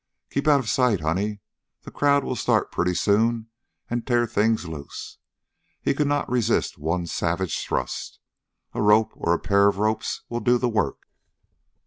"Keep out of sight, honey. The crowd will start pretty soon and tear things loose." He could not resist one savage thrust. "A rope, or a pair of ropes, will do the work."